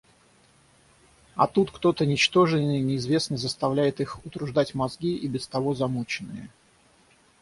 А тут кто-то ничтожный, неизвестный заставляет их утруждать мозги, и без того замученные.